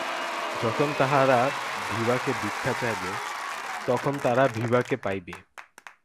যখন তাহারা বিভাকে ভিক্ষা চাহিবে, তখন তাহারা বিভাকে পাইবে।